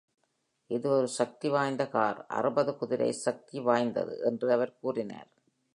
"இது ஒரு சக்திவாய்ந்த கார்?" "அறுபது குதிரை சக்த வாய்ந்தது" என்று அவர் கூறினார்.